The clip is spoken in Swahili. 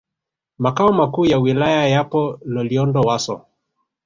Makao Makuu ya Wilaya yapo Loliondo Wasso